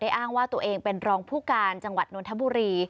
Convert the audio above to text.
อ้างว่าตัวเองเป็นรองผู้การจังหวัดนทบุรี